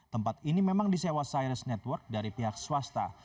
tempat ini memang disewa cyrus network dari pihak swasta